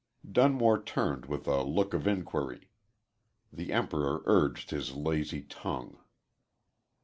Dunmore turned with a look of inquiry. The Emperor urged his lazy tongue.